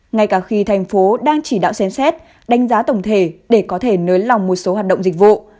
ngay cả khi thành phố đang chỉ đạo xem xét đánh giá tổng thể để có thể nới lỏng một số hoạt động dịch vụ